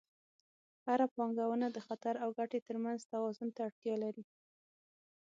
هره پانګونه د خطر او ګټې ترمنځ توازن ته اړتیا لري.